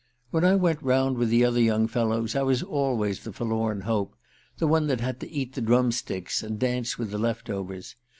"When I went round with the other young fellows I was always the forlorn hope the one that had to eat the drumsticks and dance with the left overs.